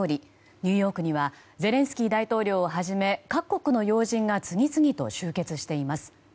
ニューヨークにはゼレンスキー大統領をはじめ各国の要人が次々と集結しています。